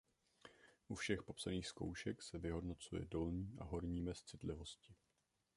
U všech popsaných zkoušek se vyhodnocuje dolní a horní mez citlivosti.